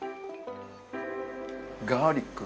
ガーリック。